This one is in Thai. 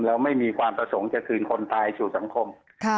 แล้วไม่มีความประสงค์จะคืนคนตายสู่สังคม